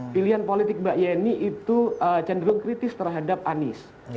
pilihan politik mbak yeni itu cenderung kritis terhadap anies